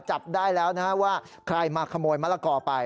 จับได้แล้วนะฮะว่าใครมาขโมยมะละกอไป